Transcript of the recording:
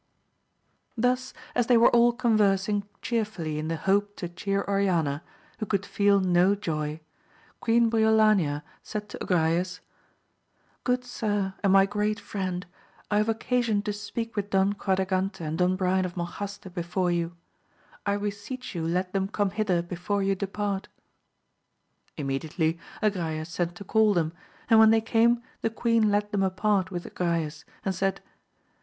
Thus as they were all conversing chearfiilly in the hope to chear Onana, who could feel no joy, Queen Briolania said to Agrayes, Good sir, and my great friend, I have occasion to speak with Don Quadragante and Don Brian of Monjaste before you ; I beseech you let them come hither before you depart. Immediately Agrayes sent to call them, and when they came the queen led them apart with Agrayes, and said.